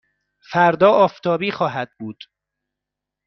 فردا آفتابی خواهد بود.